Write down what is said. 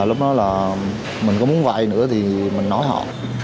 lúc đó là mình có muốn vay nữa thì mình nói họ